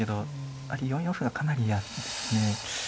やっぱり４四歩がかなり嫌ですね。